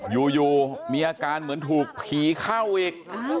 อยู่มีอาการเหมือนถูกผีเข้าอีก